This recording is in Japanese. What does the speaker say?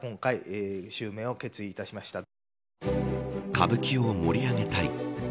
歌舞伎を盛り上げたい。